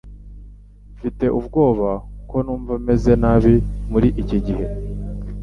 Mfite ubwoba ko numva meze nabi muri iki gihe.